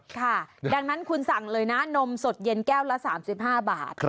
ค่ะดังนั้นคุณสั่งเลยนะนมสดเย็นแก้วละ๓๕บาท